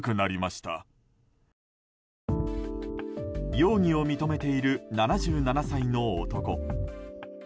容疑を認めている７７歳の男。